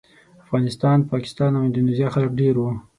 افغانستان، پاکستان او اندونیزیا خلک ډېر وو.